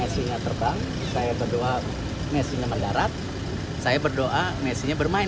saya berdoa messi nya terbang saya berdoa messi nya mendarat saya berdoa messi nya bermain